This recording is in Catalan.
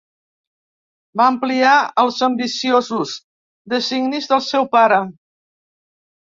Va ampliar els ambiciosos designis del seu pare.